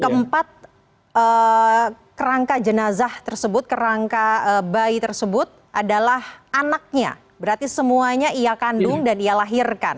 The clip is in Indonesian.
keempat kerangka jenazah tersebut kerangka bayi tersebut adalah anaknya berarti semuanya ia kandung dan ia lahirkan